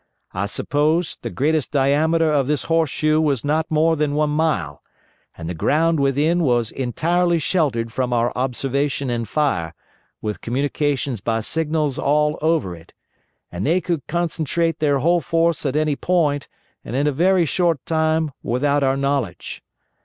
I suppose the greatest diameter of this horseshoe was not more than one mile, and the ground within was entirely sheltered from our observation and fire, with communications by signals all over it, and they could concentrate their whole force at any point and in a very short time without our knowledge.